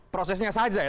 prosesnya saja ya